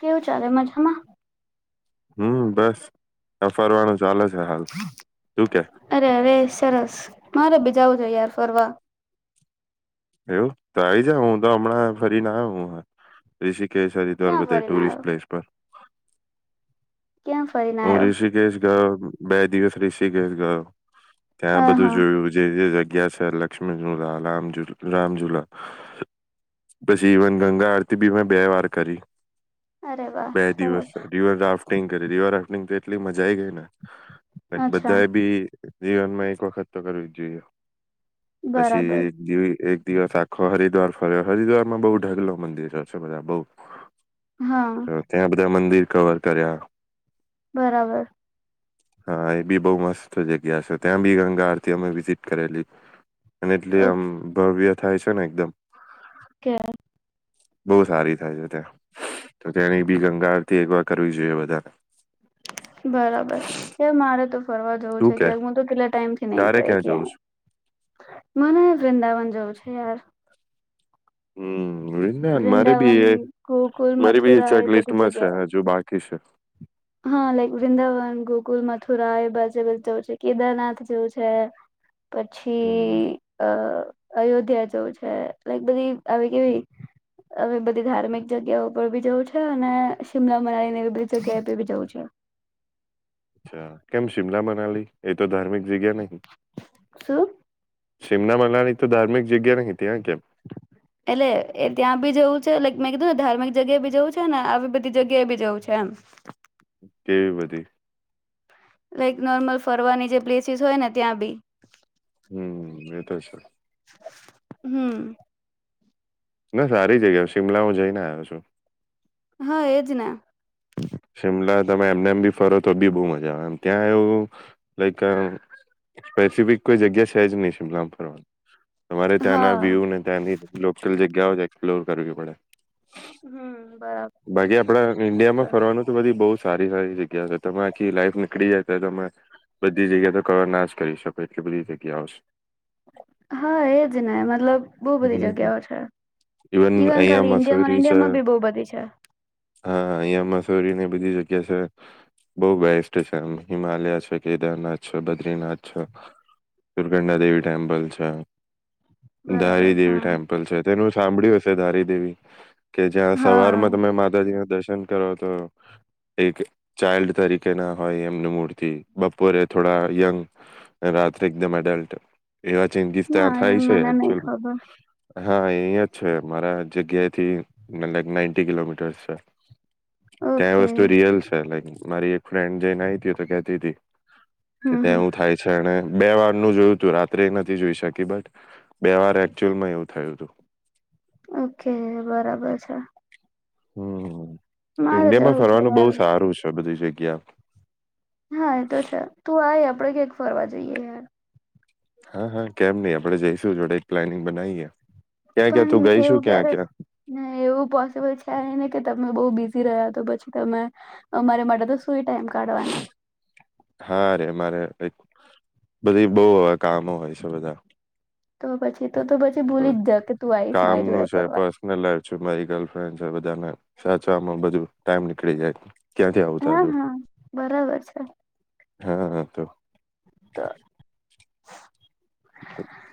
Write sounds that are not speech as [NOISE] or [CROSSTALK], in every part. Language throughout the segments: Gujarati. કેવું ચાલે મજામાં હમ બસ આ ફરવાનું ચાલે છે હાલ તું કે અરે અરે સરસ મારે બીજા આવુંજ યાર ફરવા એવું તો આવી જા હું તો હમણાં ફરી ના આવ કે હરિદ્વાર ક્યાં બધ ફરીને ટુરિસ્ટ આવ્યો? પ્લેસ પર ક્યાં ફરીને હ આવ્યો? ઋષિકેશ ગ બે દિવસ રેસી ગયો ગયો અ ત્યાં બધું હા જોયું જે્યા ગ છે લક્ષ્મી ઝુલા રામ રામ ુલા પછી ઈવન ગંગા આરતી બી બે વાર કરી અરે વાહ બે સરસ દિવસ દિવસ ફૂટિંગ કરીે હતી હોરા ંગ તો એટલી મજા આવી ગઈ ને અચ્છા બધા એ બી જીવન માં એક વખત તો કરવી જ જોઈએ પછી બરાબર જેવી એક સાાખ હરિદ્વાર ફરે હરિદ્વાર માં બ ઢાલો મંદિરશે બધા બ હા તો ત્યાં બધ મંદિર કવર કર્યા બરાબર હા એ બી બહુ મસ્ત જગ્યા છે ત્યાં બી ગંગા આરતી અમે વિઝિટ કરેલી અને એટલી આમ ભવ્ય થાય છે ને એકદમ કે બઉ સારી થાય છે ત્યાં તો તેની બી ગંગારથી એક વાર કરવી જોઈએ. બારે બરાબર એ મારે તો ફરવા જવું તું છે કે તો કેટલા ટાઈમ થી તારે નહી, ક્યાં જવું ગઈ છે મને વૃંદાવન જવું છે. યાર હમ ના મારે બી વૃંદાવન એ ગોકુલ મારી બી મથુરા ચેક એ બધી લિસ્ટમાં છે. જગ્યાએ હજુ બાકી છે હા, લાઈક વૃંદાવન ગોકુલ મથુરા એ બજ જેવું છે કેદારનાથ જેવું છે. હમ પછી અ અયોધ્યા જવું છે, લક બધી આવી કેવી હ બધી ધાર્મિક જગ્યા પર બી જવું છે. અને શિમલા મનાવીને એવી બધી જગ્યાએી જ છે અચ્છા કેમ શિમલા મનાલી એ તો ધાર્મિક જગ્યા નહ શું સિમના મલાની તો ધાર્મિક જગ્યા નહ એટલે એ ત્યાં બી જવું છે લક મેં કીધું ધાર્મિક જગ્યાએ બી જવું છે ને આવી બધી જગ્યાએ બી જવું છે. એમ કેવી બધી લાઈક નોર્મલ ફરવાની જે પ્લેસીસ હોય ને ત્યાં બી હમ એ તો છે હમ ના સારી જગ્યા શિમલા હું જઈને આવ્યો છું હા એજ ને શિમલા તમે એમને એમ બી ફરો તો બી બહુ મજા આવે એમ ત્યાં એવું લાઈક સ્પેસિફિક કોઈ જગ્યા છે, જ નહી, શિમલામાં ફરવાનું તમારે ત્યાંના હા વ્યુ ને ત્યાંની, લોકલ જગ્યાઓ જ એક્સપ્લોર કરવી પડે હમ બરાબર બાકી આપડા ઇન્ડિયામાં બધી બહ સારી સારી જગ્યા છે તમે આખી લાઈફ નીકળી જાય તો તમે બધી જગ્યા તો કવર ના જ કરી શકો એટલી બધી જગ્યા આવશે. હા, એજ ને મતલબ બહુ બધી હમ હમ. જગ્યાઓ છે ઇવન ઈવન અહિયાં ખાલી ઇન્ડિયા મસૂરી છે ઇન્ડિયામાં બી બહુ બધી છે. હા એ મસ્ સોરીની બધી જગ્યા છે બહ બેસ્ટ છે એ હિમાલય છે કેદારનાથ છે બદ્રીનાથ છે. સુર્ગંડા દેવી ટેમ્પલ છે. બરાબર ધારી દેવી હા ટેમ્પલ છે તેનું સાંભળ્યું હશે ધારી દેવી. કે જ્યાં હા સવારમાં તમે માતાજી ના દર્શન એમ કરવાત. તો એક ચાઇલ્ડ તરીકે ના હોય એમની મૂર્તિ બપોરે થોડા યંગ રાત્રે એકદમ એડલ્ટ એવા ચેન્જીસ ના ત્યાં એ થાય છે મને નઈ એકચુલ ખબર હા એ અહ્યા જ છે મારા જગ્યાથી નાઈન્ટી કિલોમીટર્સ છે. ત્યાં ઓકે વસ્તુ રિયલ છે. લાઈક મારી ફ્રેન્ડ જઈને આઈ તી તો કેતી હતી. હમ ત્યાં હમ એવું થાય છે અને બે વારનું જોયું તું રાત્રે એ નથી જોઈ શકી બટ બે વાર એકચુઅલમાં એવું થયું તું. ઓકે બરાબર છે. હમ્મ. તો મારે ઇન્ડિયામાં જવું છે ફરવાનું બહુ યાર સારું છે બઘી જગ્યા. હા એ તો છે તું આય આપડે ક્યાંક ફરવા જઈએ યાર. હા હા કેમ નહી આપડણે જઈશું જોડે એક પ્લાનિંગ બનાવીએ. ક્યાં ક્યાં પણ તું ગઈ શું એવું ક્યાં ક્યારે ક્યાં એવું પોસિબલ છે ન ને કે તમે બહુ બીજી રહ્યા તો પછી તમે અમારે માટે તો સુુંઈ ટાઈમ કાઢવાના હા રે મારે બધી બહુ આ કામો હોય છે બધા. તો પછી તો તો પછી તો ભૂલી જ જાઉં કે તું આઈશ મારી જોડે ફરવા. છુ મારી ગર્લફ્રેન્ડ છે બધાને સાચવામાં બધું ટાઈમ નીકળી જાય. ક્યાંથી આવતા હા જો હા બરાબર છે. હા હા તો તો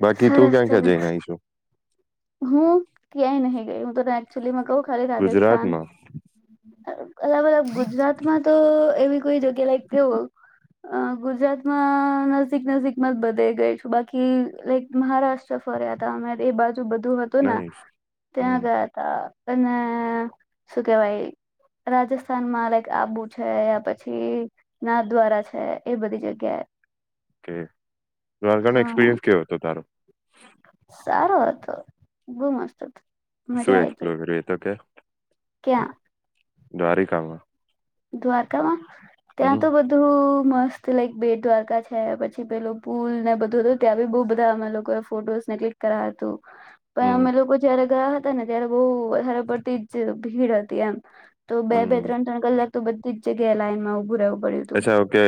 બાકી તું સરસ ક્યાં ક્યાં જઈને સરસ આઈછુ? હું ક્યાંય નહી ગઈ. હું તને એકચુઅલીમાં કહુ ખાલી રાજસ્થાન ગુજરાતમાં અલગ-અલગ. ગુજરાતમાં તો એવી કોઈ જગ્યા લાઈક કેવો. અ ગુજરાતમાં નજીક-નજીકમાં જ બધે ગઈ છું. બાકી લાઈક મહારાષ્ટ્ર ફર્યા હતા અમે એ બાજુ બ બધું હતું ને નહી ત્યાં હમ ગયા તા. અને શું કેવાય રાજસ્થાનમાં લાઈક આબુ છે યા પછી નાથદ્વારા છે એ બધી જગ્યાએ કે દ ન હા એક્સપિરિયન્સ કેવો હતો તારો. સારો હતો બહુ મસ્ત હતો. શું મજા આઈ હતી એક્સપ્લોર કર્યું એ તો કે. ક્યાં? દ્વારીકામાં. દ્વારકામાં. ત્યાં તો બધું સ્ત લક બે દ્વારકા છે પછી પેલું પુલ ને બધું હતું ત્યાં બી બહુ બધા અમે લોકો એ ફોટોસ ને ક્લિક કરા. પણ હમ અમે લોકો જયા ગયા હતા ને ત્યારે બહ વધારે પડતી જ ભીડ હતી એમ. તો બે બે હમ ત્રણ ત્રણ કલાક તો બધી જગ્યાએ લાઈનમાં ઊભું. અચ્છા ઓકે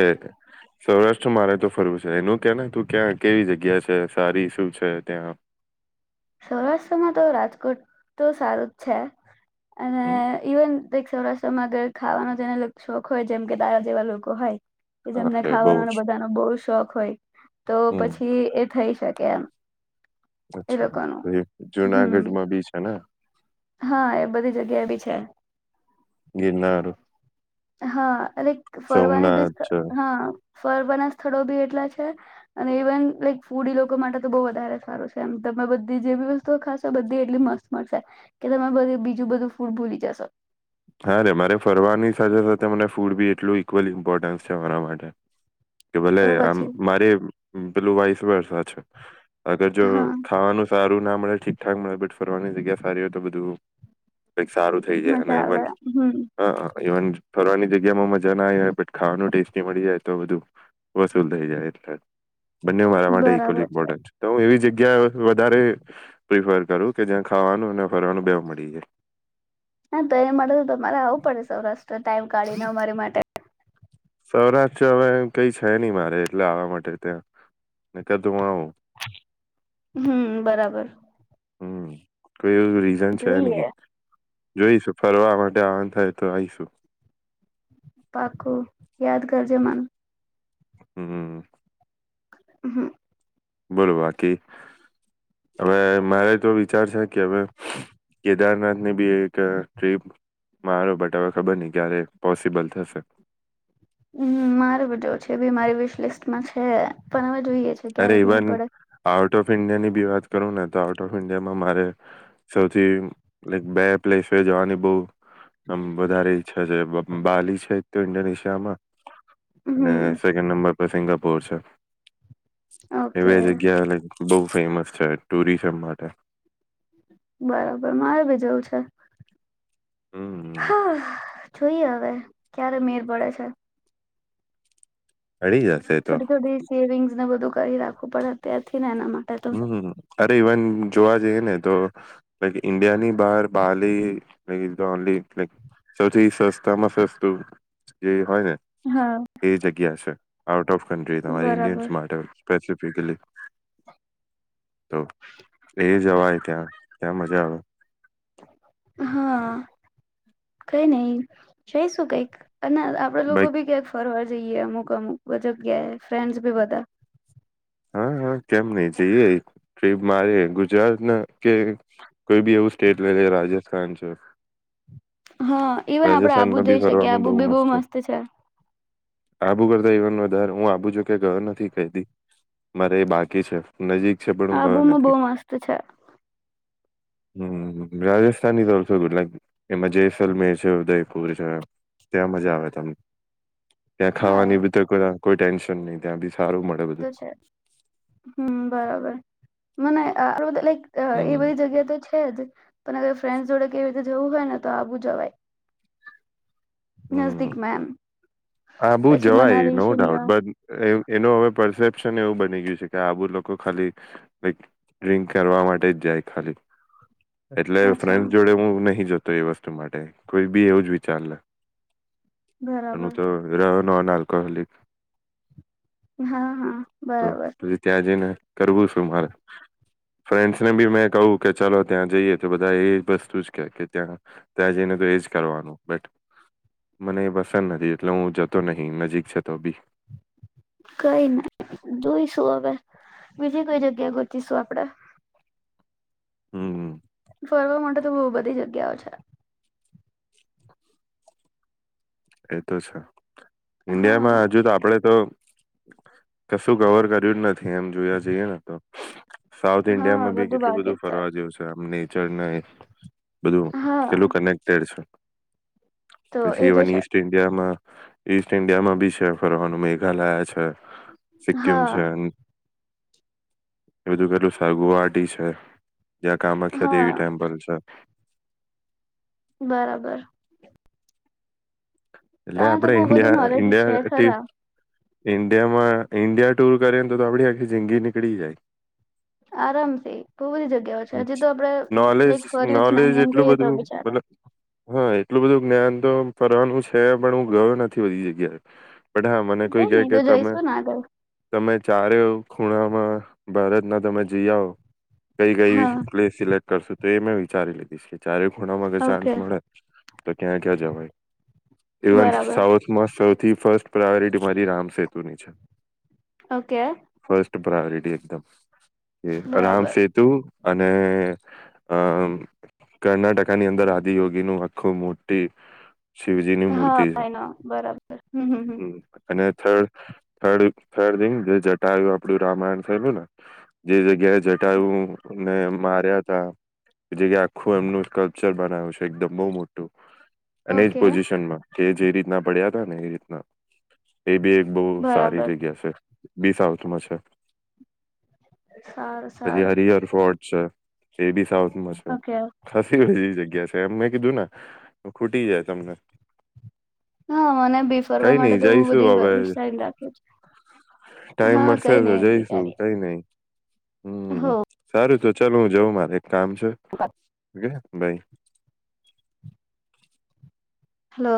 સૌરાષ્ટ્ર મારે તો ફરવું છે એનું કે તું ક્યાં કેવી જગ્યા છે સારી શું છે ત્યાં. સૌરાષ્ટ્રમાં તો રાજકોટ તો સારું જ છે. અને હમ ઇવ ક સૌરાષ્ટ્રમાંર ખાવાનો જેને શોખ હોય જેમ કે દારા જેવા લોકો હોય. કે હા જેમને અરે બહુ ખાવાનો જ બધાનો બહુ શોખ હોય તો હમ પછી થઈ શકે એમ. એ અચ્છા. તો લોકોનું એ હમ જુનાગઢમાં બી છે ને. હા એ બધી જગ્યા એ બી છે. ગીનાારું. હા. એટલે ફરવાની બીસ છે હા. ફરવાના સ્થળો બી એટલા છે અને ઇવન લાઈક ફૂડ લોકો માટે તો બહ વધારે સારું છે એમ તમે બધી જે બી વસ્તુઓ ખાશો બધી એટલી મસ્ત મળશે કે તમે બધ બીજું બધું ફૂડ ભૂલી જશો. હા રે મારે ફરવાની સાથે સાથે મને ફૂડ બી એટલું ઈક્વલ ઇમ્પોર્ટન્સ છે અરા માટે. કે ભલે તો આમ પછી મારી પેલું વાઈસ વર્ષ છે. અગર જો હા ખાવાનું સારુ ના મળે ઠીકઠકે બટ ફરવાની જગ્યા સારી હોય તો બધું. કક સારું થઈ જાય અને ન બન હમ્મ. ઈવન ફરવાની જગ્યા માં મજા ના આવી હોય ખાવાનું ટેસ્ટી મળી જાય તો બધું વસૂલ થઈ જાય એ બંને મારા માટે ઈક્વલી ઇમ્પોર્ન્ટ છે તો હું એવી જગ્યા જ્યા વધારે પ્રિફર કરું કે જ્યા ખાવાનું અને ફરવાનું બે મળી જાય. હ. તો એ મળેું તમારે આવું પડે સૌરાષ્ટ્ર. ટાઈમ કાઢીને અમારી માટે. સૌરાષ્ટ્ર હવે કઈ છે, નહી મારે એટલે આવા માટે ત્યાં ને કધું હું આવું. હમ બરાબર. હમ. એ રીઝન છે ન. જોઈએ જોઈશું ફરવા માટે આવન થાય તો આઈશું. પાખું યાદ કરજે મન. હમ. હમ. બોલો બાકી હવે મારે તો વિચાર છે, કે હવે કેદારનાથની બી એક ટ્રીપ મારો બટ હવે ખબર નહી. ક્યારે પોસિબલ થશે. હમ મારે બધું છે, ભી મારી વિશ લિસ્ટમાં છે પણ જોઈએ છે અરે કે્યારેમીર ઇવન પડત આઉટ ઓફ ઈન્ડિયા ની બી વાત કરું ને તો આઉટ ઓફ ઈન્ડિયામાં મારે સૌથી લક બે પ્લેસ જવાની બહ આમ વધારે ઈચ્છા જે બાલી છે તો ઇન્ડોનેશિયા માં અને હમ સેકન્ડ નંબર સિંગાપુર છે ઓકે એવે જગ્યા આવે લ બહુ ફેમસ છે ટુરિઝમ માટે બરાબર મારે ભી જેવું છે હમ હમ હા જોઈએ હવે ક્યારે મેર પડે છે. મળી જશે એ તો છોટી થોટી સેવિંગ્સ ને બધું કરી રાખવું પડે અ્યારથી ને એનામાં હમ ઇવન જોવા જઈએ ને તો ઈન્ડિયા ની બહાર બાહન સૌથી સસ્તામાં સસ્તું જે હોય ને હા એ જગ્યા છે આવ ઓફ કન્ટ્રી તમારી ઇન્ડિયસ બરાબર માટે સ્પેસિફિક શક તો એ જવાય ત્યાં ત્યાં મજા આવે હા કઈ નઈ જઈ શું? કઈક અને આપડે લોકો બાઈક ભી ક્યાંક ફરવાડ જઈએ અમુક અમુક ભજબ ગયા ફ્રેન્ડ ભી બધા હા હા કેમ નઈ જઈએ ટપ મારે ગુજરાત ના કે કોઈ બી એવું સ્ટેટ લ રાજસ્થાન છે હા ઇવન આપડે આબુ જોઈ શકીએ આબુ બી બહુ મસ્ત છે આબુ કરતા એવ વધારે હું આબુ છુ કે ઘર નથી કતી મારે એ બાકી છે નજીક છે પણ હું આ ગયો બૂમો બહુ નથી મસ્ત છે હમ રાજસ્થાનની તરફો કેટલાક એમાં જસલમેર છે ઉદયપુર છે ત્યાં મજા આવે તમને ત્યાં હા એ ખાવાની ભતેર કરવા કોઈ ટેન્શન ન ત્યાંી તો છે હમ બરાબર મ બધ લક [UNINTELLIGIBLE] અ એ હમ બધી જગ્યા તો છે જ પણ ફ્રેન્ડસ જોડે કેવી રીતે જવું હોય ને તો આવું જવાય નઝદીક માં એમ હા બહુ પછી જવાય મનાલી નો ડાઉટ શિમલા બ એનો હવે પરસેપ્શન એવું બની ગયું છે કે આબુ લોકો ખાલી ડ્રિંક કરવા માટે જ જાય ખાલી એટલે અચ્છા ફ્રેન્ડ જોડે હું નહી જોતો તો એ વસ્તુ માટે કોઈ બી એવું જ વિચાર લે હું બરાબર તો નોન આલ્કોહોલિક હા હા તો બરાબર પછી ત્યાં જઈને કરવું છું મારે ફ્રેન્ડસ ને બી મેં કહું કે ચાલો ત્યાં જઈએ તો બધા એ વસ્તુ જ કે કે ત્યાં ત્યાં જઈને તો એજ કરવાનું બટ મને એ પસંદ નથી એટલે હું જતો નહી નજીક છેતો બી કઈ ન જોઈશું હવે બીજી કોઈ જગ્યા ગોચીશું આપડે હમ હમ ફરવા માટે તો બહુ બધી જગ્યાઓ છે એતો છે ઇન્ડિયામાં હા હજુ તો આપડે તો કશું કવર કર્યું જ નથી એમ જોયા જઈએ ને તો સાઉથ ઇન્ડિયા હા માં બી કેટલું બાકી બધું જ ફરવા જેવુ છે અમને ચેનાઈ બધું હા કેટલું કનેક્ટડ છે તો એ પછી તો ઇવન છે. ઈસ્ટ ઇન્ડિયામાં, ઈસ્ટ ઇન્ડિયામાં બી છે ફરવાનું. મેઘાલયા છે, સિક્કિમ છે. હા બધું કેટલું છે, ગુહાટી છે. જ્યાં કામખ્યા દેવી હા ટેમ્પલ છે. બરાબર. એલે તને તો બહુ બધું અડન્ડ્યા નોલેજ છે ઇન્ડિયા ખરા ટમ ઇન્ડિયામાં ઈન્ડિયા ટુર કરે ને તો તો આપડી આખી જિંદગી નીકળી જાય. આરામથી બહુ બધી જગ્યાઓ છે હજી તો આપડે લક નોલેજ ફર્યું જ નોલેજ નહી એમ એટલું કઈએ તો બધું બિચારા. મતલબ હા એટલું બધું જ્ઞાન તો ફરવાનું છે. પણ હું ગયો નથી બધી જગ્યાએ. પ હા મને કોઈ કઈ ક નહી તો કે તમે, જઈશું ને આગળ તમે ચારે ખૂણામાં ભારતના તમે જી આવઓ. કઈ કઈ હા પ્લેસ સિલેક્ટ કરશું. તો એ મેં વિચારી લીધીશ કે ચારે ખોણામાંગ ચાન્સ ઓકે મળે, તો ક્યાં ક્યાં જવાય. ઇવન બરાબર સાઉથમાં. સૌથી ફર્સ્ટ પ્રાયોરિટી મારી રામ સેતુની છે. ઓકે. ફર્સ્ટ પ્રાયોરિટી એકદમ. એ આરામ બરાબર સેતું અને અમ કર્ણાટકાની અંદર આદિ યોગી નું આખું મોટી શિવજીની મૂ થ ના બરાબર હમ હમ હ અને થર્ડ થર્ડ થર્ડ થિંગ જે જટાયુ આપડું રામાયણ થયેલું ને જે જગ્યાએ જટાયુ ને માર્યા ત એ જગ્યા આખું એમનું સ્કલ્પચર બનાવ્યું છે, એકદમ બહુ મોટું અને જ ઓકે પોઝિશન માં કે જે રીતના પડ્યા હતા ને એ રીતના એ બી એક બહુ સારી બરાબર જગ્યા છે. બીસ આવતમાં છે. સારું સારું અચ્છા! એ બી સાઉથ મ ઓકે ખસી હો જ ગયા છે એમ મે કીધું ને ખૂટી જાય તમને.. હા મને બી ફરવા કઈ માટે નઈ તો બહુ જઈશું બધી હવે વિચારી રાખી છે ટાઈમ હા મળશે કઈ તો નહી જઈશું બચારી કઈ નઈ હમ હો સારું તો ચાલ હું જઉં મારે કામ છે બાય હલો